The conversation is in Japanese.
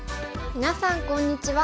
みなさんこんにちは。